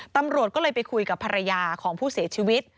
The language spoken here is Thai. ตำรวจก็เลยไปคุยกับภรรยาของผู้เสียชีวิต